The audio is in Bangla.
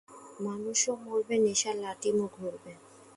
মানুষও মরবে, নেশার লাটিমও ঘুরবে